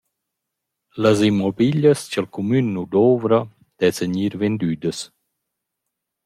Las immobiglias cha’l cumün nu douvra dessan gnir vendüdas.